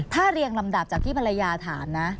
ถ้าเรียงลำดับจากที่ภรรยาถามนะ